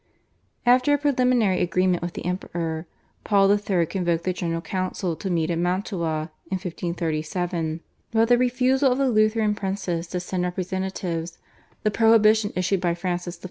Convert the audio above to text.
After a preliminary agreement with the Emperor, Paul III. convoked the General Council to meet at Mantua in 1537; but the refusal of the Lutheran princes to send representatives, the prohibition issued by Francis I.